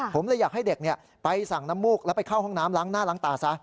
ผมเลยอยากให้เด็กไปสั่งน้ำมูกแล้วไปเข้าห้องน้ำล้างหน้าล้างตาซะ